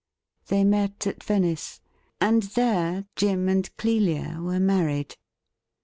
They met at Venice, and there Jim and Clelia were married.